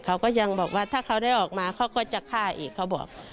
เขาก็ยังบอกว่าถ้าเขาได้ออกมาเขาก็จะฆ่าอีกเขาบอก